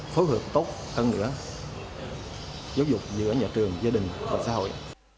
phối hợp tốt hơn nữa giáo dục giữa nhà trường gia đình và xã hội